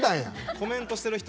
コメントしてた人